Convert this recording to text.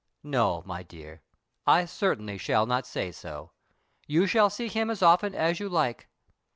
"No, my dear, I certainly shall not say so. You shall see him as often as you like."